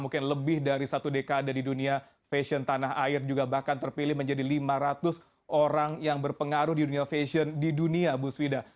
mungkin lebih dari satu dekade di dunia fashion tanah air juga bahkan terpilih menjadi lima ratus orang yang berpengaruh di dunia fashion di dunia bu svida